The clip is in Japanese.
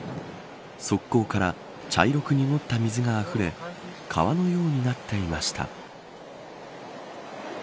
側溝から茶色く濁った水があふれ川のようになっていました。